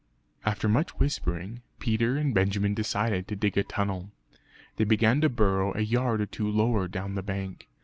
After much whispering, Peter and Benjamin decided to dig a tunnel. They began to burrow a yard or two lower down the bank.